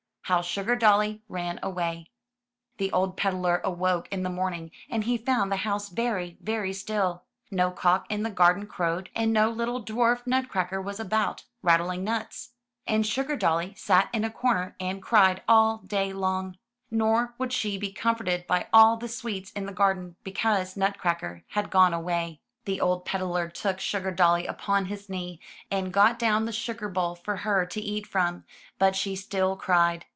HOW SUGARDOLLY RAN AWAY The old peddler awoke in the morning, and he found the house very, very still. No cock in the gar den crowed, and no little dwarf Nutcracker was about, rattling nuts. And SugardoUy sat in a corner and cried all day long, nor would she be comforted by all the sweets in the garden, because Nutcracker had gone away. 95 MY BOOK HOUSE The old peddler took Sugardolly upon his knee, and got down the sugar bowl for her to eat from, but she still cried.